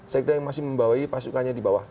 sekda yang masih membawai pasukannya dibawah